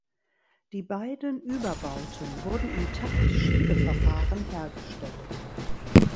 Die beiden Überbauten wurden im Taktschiebeverfahren hergestellt.